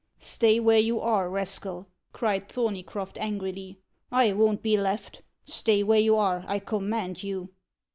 "Stay where you are, rascal!" cried Thorneycroft angrily. "I won't be left. Stay where you are, I command you!"